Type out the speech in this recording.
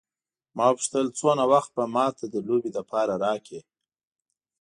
ما وپوښتل څومره وخت به ما ته د لوبې لپاره راکړې.